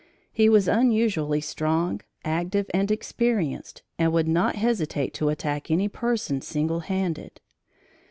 He was unusually strong, active and experienced, and would not hesitate to attack any person single handed.